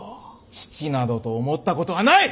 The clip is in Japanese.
父などと思ったことはない！